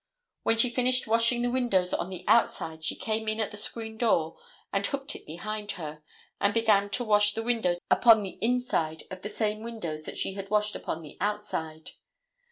When she finished washing the windows on the outside she came in at the screen door and hooked it behind her, and began to wash the windows upon the inside of the same windows that she had washed upon the outside.